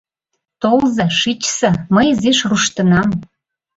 — Толза, шичса, мый изиш руштынам.